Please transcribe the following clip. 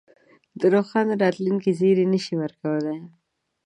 د روښانه راتلونکې زېری نه شي ورکولای.